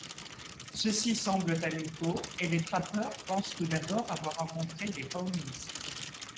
Ceux-ci semblent amicaux, et les trappeurs pensent tout d'abord avoir rencontré des Pawnees.